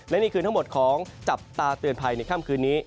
และนี่คือทั้งหมดของจับตาเตือนภัยในค่ำคืนนี้